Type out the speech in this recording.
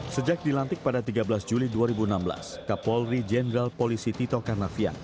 sejak dilantik pada tiga belas juli dua ribu enam belas kapolri jenderal polisi tito karnavian